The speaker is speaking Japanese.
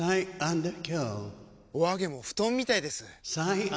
お揚げも布団みたいです！